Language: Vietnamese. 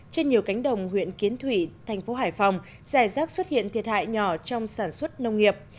trên nhiều cánh đồng huyện kiến thủy thành phố hải phòng giải rác xuất hiện thiệt hại nhỏ trong sản xuất nông nghiệp